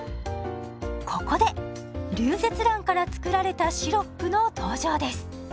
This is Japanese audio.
ここでリュウゼツランから作られたシロップの登場です。